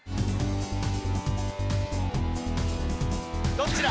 どっちだ？